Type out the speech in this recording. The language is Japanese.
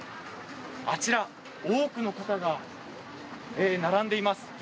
あちら多くの方が並んでいます